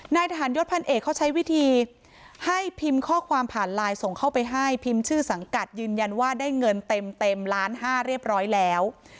นายทหารยศพันเอกเขาใช้วิธีให้พิมพ์ข้อความผ่านไลน์ส่งเข้าไปให้พิมพ์ชื่อสังกัดยืนยันว่าได้เงินเต็มล้านห้าเรียบร้อยแล้ว